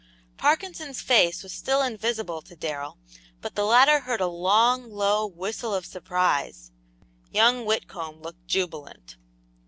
Parkinson's face was still invisible to Darrell, but the latter heard a long, low whistle of surprise. Young Whitcomb looked jubilant.